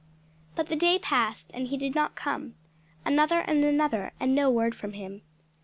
But the day passed and he did not come; another and another, and no word from him.